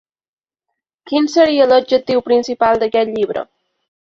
Quin seria l’objectiu principal d’aquest llibre?